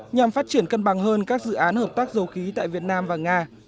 nhằm phát triển cân bằng hơn các dự án hợp tác dầu khí tại việt nam và nga